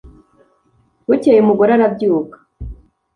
bukeye umugore arabyuka,